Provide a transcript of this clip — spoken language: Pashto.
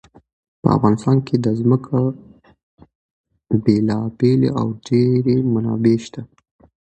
په افغانستان کې د ځمکه بېلابېلې او ډېرې منابع شته.